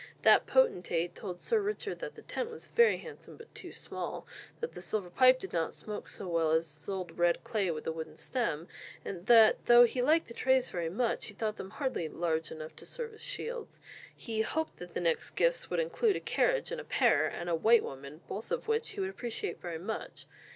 That potentate told Sir Richard that the tent was very handsome, but too small; that the silver pipe did not smoke so well as his old red clay with a wooden stem; and that though he liked the trays very much, he thought them hardly large enough to serve as shields. He hoped that the next gifts would include a carriage and pair, and a white woman, both of which he would appreciate very much.